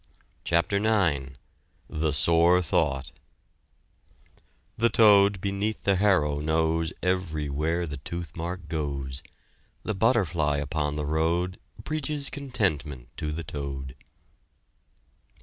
CHAPTER IX THE SORE THOUGHT The toad beneath the harrow knows Everywhere the tooth mark goes; The butterfly upon the road Preaches contentment to the toad.